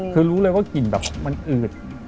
คือรู้เลยว่ากลิ่นแบบมันอืด